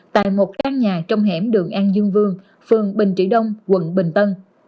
tại một căn nhà trong hẻm đường an dương vương phường bình trị đông quận bình tân